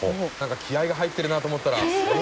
気合いが入ってるなと思ったら。